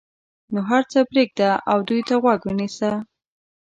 نو هر څه پرېږده او دوی ته غوږ ونیسه.